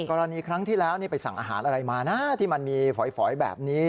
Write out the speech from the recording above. กรณีครั้งที่แล้วนี่ไปสั่งอาหารอะไรมานะที่มันมีฝอยแบบนี้